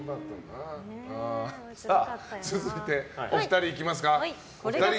続いて、お二人いきますか。